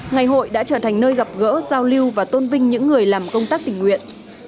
ngày hội đã trở thành nơi gặp gỡ giao lưu và tôn vinh những người làm công tác tình nguyện